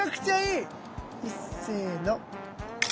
いっせいの。